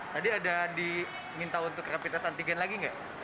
tadi ada diminta untuk rapid test antigen lagi nggak